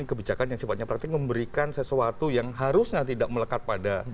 kebijakan yang sifatnya praktik memberikan sesuatu yang harusnya tidak melekat pada